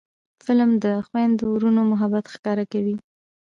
فلم د خویندو ورونو محبت ښکاره کوي